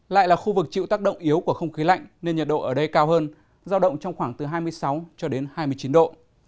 giao động yếu của không khí lạnh nên nhiệt độ ở đây cao hơn giao động trong khoảng từ hai mươi sáu cho đến hai mươi chín độ